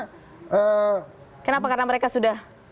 kenapa karena mereka sudah tinggi juga